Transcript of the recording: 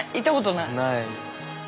ない。